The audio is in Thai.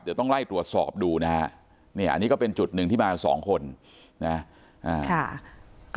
เดี๋ยวต้องไล่ตรวจสอบดูนะฮะนี่อันนี้ก็เป็นจุดหนึ่งที่มาสองคนนะ